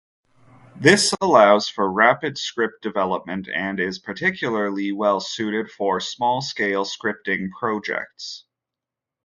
This allows for rapid script development and is particularly well-suited for small-scale scripting projects.